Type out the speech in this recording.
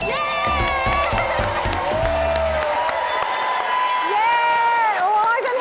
เย้โอ๊ยฉันเห็นรออยู่แล้ว